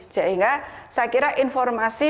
sehingga saya kira informasi